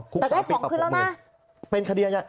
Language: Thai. แต่ได้ของคืนแล้วนะ